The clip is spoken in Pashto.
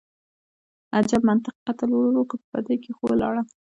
_اجب منطق، قتل ورور وکړ، په بدۍ کې يې خور لاړه.